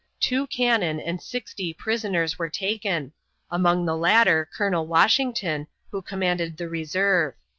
Two cannon and 60 prisoners were taken; among the latter Colonel Washington, who commanded the reserve.